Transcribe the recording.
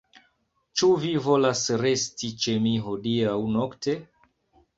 Ĉu vi volas resti ĉe mi hodiaŭ nokte?